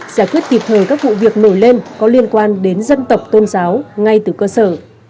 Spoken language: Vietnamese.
giải quyết kịp thời các vụ việc nổi lên có liên quan đến dân tộc tôn giáo ngay từ cơ sở